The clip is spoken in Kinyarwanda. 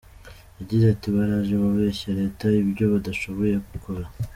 Yagize ati “Baraje babeshya leta ibyo badashoboye gukora.